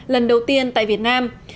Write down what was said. lần đầu tiên tại việt nam